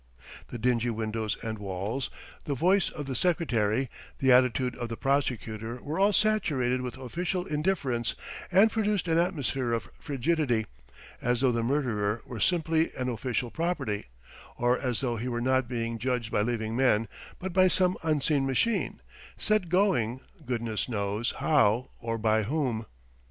... The dingy windows and walls, the voice of the secretary, the attitude of the prosecutor were all saturated with official indifference and produced an atmosphere of frigidity, as though the murderer were simply an official property, or as though he were not being judged by living men, but by some unseen machine, set going, goodness knows how or by whom.